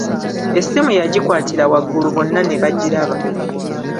Essimu yagikwatira waggulu bonna ne bagiraba.